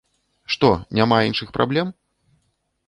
Што, няма іншых праблем?